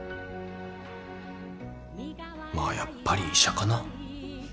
まあやっぱり医者かな。